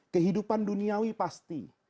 kehidupan duniawi pasti